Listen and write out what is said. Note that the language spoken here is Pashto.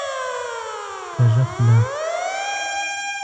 کږه خوله